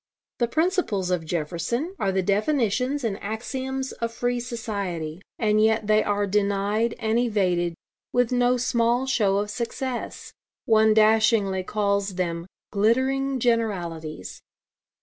The principles of Jefferson are the definitions and axioms of free society. And yet they are denied and evaded, with no small show of success. One dashingly calls them 'glittering generalities.'